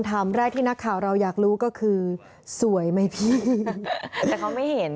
แต่เขาไม่เห็นไง